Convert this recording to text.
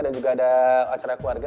dan juga ada acara keluarga